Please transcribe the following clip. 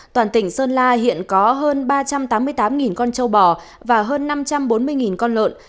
toàn tỉnh sơn la hiện có hơn ba trăm tám mươi tám con châu bò và hơn năm trăm bốn mươi con châu bò